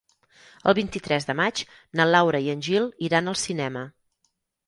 El vint-i-tres de maig na Laura i en Gil iran al cinema.